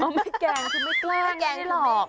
ไม่แกล้งไม่แกล้งไม่หลอก